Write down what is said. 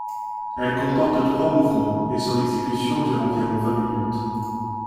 Elle comporte trois mouvements et son exécution dure environ vingt minutes.